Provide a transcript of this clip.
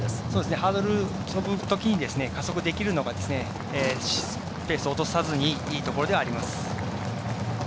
ハードル跳ぶとき加速できるのがペースを落とさずにいいところではあります。